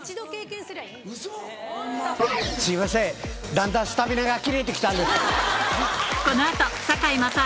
だんだんスタミナが切れて来たんです。